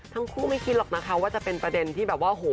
ไม่คิดหรอกนะคะว่าจะเป็นประเด็นที่แบบว่าโห